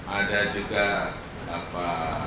ada juga apa